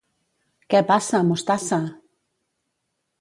Què passa, mostassa!